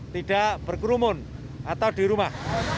tidak berkerumun atau di rumah